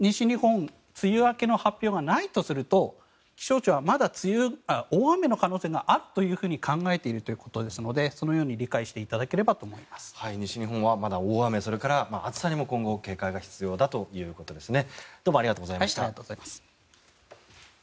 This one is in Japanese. もし西日本梅雨明けの発表がないとすると気象庁はまだ大雨の可能性があると考えているということなのでそのように理解していただければと西日本はまだ大雨それから暑さにも今後警戒が必要だということですね。